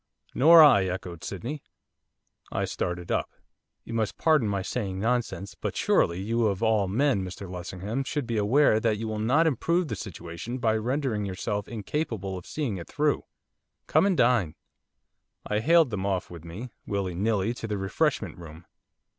'Nor I,' echoed Sydney. I started up. 'You must pardon my saying nonsense, but surely you of all men, Mr Lessingham, should be aware that you will not improve the situation by rendering yourself incapable of seeing it through. Come and dine.' I haled them off with me, willy nilly, to the refreshment room.